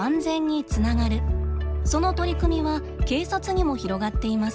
その取り組みは警察にも広がっています。